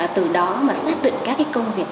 từ đó xác định các công việc